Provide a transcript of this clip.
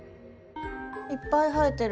いっぱい生えてる。